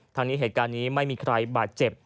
ทางนี้เหตุการณ์นี้ไม่มีใครบาดเจ็บ